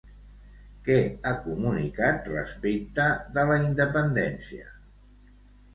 Què ha comunicat respecte de la independència?